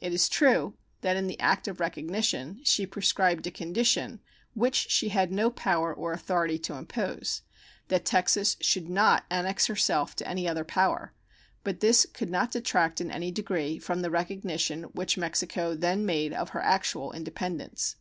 It is true that in the act of recognition she prescribed a condition which she had no power or authority to impose that Texas should not annex herself to any other power but this could not detract in any degree from the recognition which Mexico then made of her actual independence.